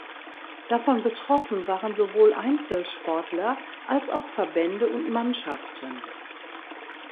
Davon betroffen waren sowohl Einzelsportler als auch Verbände und Mannschaften.